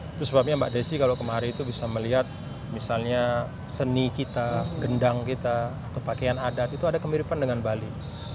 itu sebabnya mbak desi kalau kemarin itu bisa melihat misalnya seni kita gendang kita atau pakaian adat itu ada kemiripan dengan bali